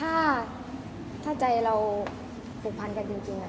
ถ้าใจเราผูกพันกันจริง